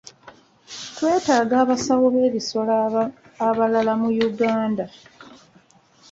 Twetaaga abasawo b'ebisolo abalala mu Uganda.